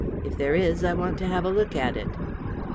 If there is, I want to have a look at it."